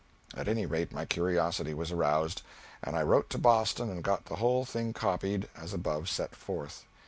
At any rate, my curiosity was aroused, and I wrote to Boston and got the whole thing copied, as above set forth.